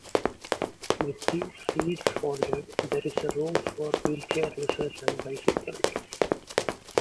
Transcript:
With these seats folded there is room for wheelchair users and bicycles.